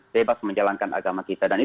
bebas menjalankan agama kita dan